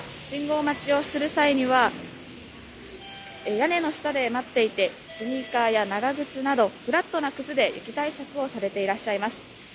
信号待ちをする際には屋根の下で待っていてスニーカーや長靴などフラットな靴で雪対策をしていらっしゃいます。